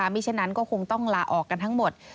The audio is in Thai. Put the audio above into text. ฉะนั้นก็คงต้องลาออกกันทั้งหมด